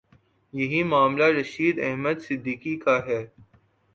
یہی معاملہ رشید احمد صدیقی کا ہے۔